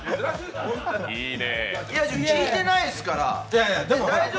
聞いてないですから。